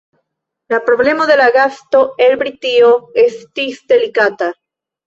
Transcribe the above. La problemo de la gasto el Britio estis delikata.